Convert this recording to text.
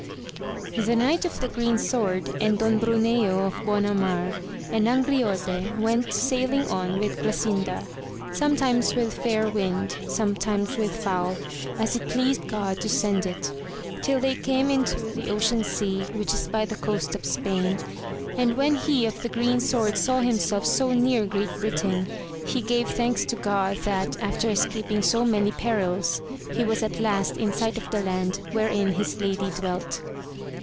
HE Knight of the Green Sword, and Don Bruneo of Bonamar, and Angriote went sailing on with Grasinda, sometimes with fair wind, sometimes with foul, as it pleased God to send it, till they came into the ocean sea which is by the coast of Spain ; and when he of the green sword saw himself so near Great Britain, he gave thanks to God, that, after escaping so many perils, he was at last, in sight of the land wherein his lady dwelt.